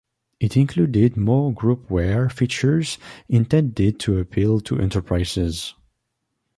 It included more groupware features intended to appeal to enterprises.